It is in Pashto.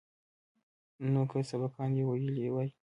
نو که سبقان يې ويلي واى.